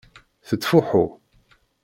Tettfuḥu.